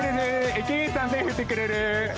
駅員さん手振ってくれる！